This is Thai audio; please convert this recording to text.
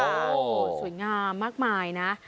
โอ้โหสวยงามมากมายนะ